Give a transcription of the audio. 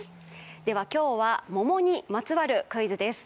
では今日は桃にまつわるクイズです。